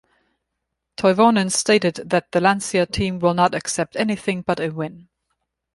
Toivonen stated that the Lancia team will not accept anything but a win.